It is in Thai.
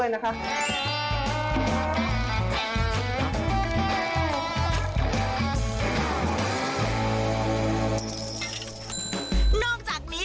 นอกจากนี้